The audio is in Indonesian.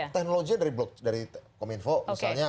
teknologi dari kominfo misalnya